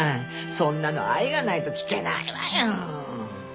そんなの愛がないと聞けないわよ。